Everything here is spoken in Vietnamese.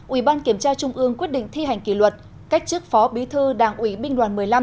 ủy ban kiểm tra trung ương quyết định thi hành kỷ luật cách chức phó bí thư đảng ủy binh đoàn một mươi năm